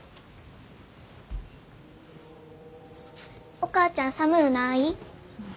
お母ちゃん寒うない？